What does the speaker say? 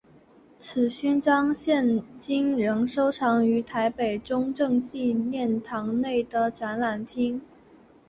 此勋章现今仍收藏于台北中正纪念堂内的展览厅。